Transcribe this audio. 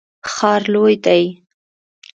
ښار لوی دی